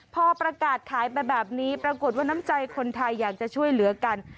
พอประกาศขายไปแบบนี้ปรากฏว่าน้ำใจคนไทยอยากจะช่วยเหลือกัน